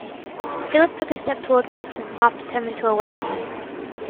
Philip took a step toward Gregson, half determined to awaken him.